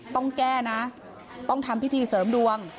ต้องแก้นะต้องทำพิธีเสริมดวง